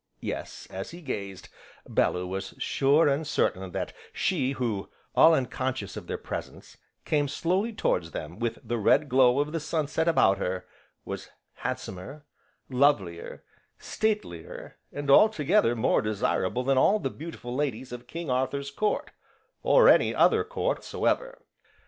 Yes, as he gazed, Bellew was sure and certain that she who, all unconscious of their presence, came slowly towards them with the red glow of the sunset about her, was handsomer, lovelier, statelier, and altogether more desirable than all the beautiful ladies of King Arthur's court, or any other court so ever.